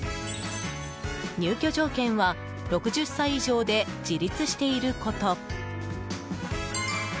入居条件は６０歳以上で自立していること。